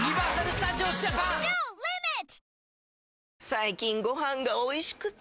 最近ご飯がおいしくて！